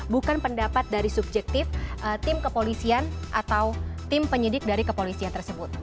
bukan pendapat dari subjektif tim kepolisian atau tim penyidik dari kepolisian tersebut